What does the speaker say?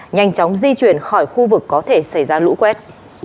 nhanh chóng di chuyển khỏi khu vực có thể xảy ra lũ quét